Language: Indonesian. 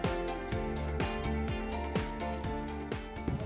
namun disusun sedemikian rupa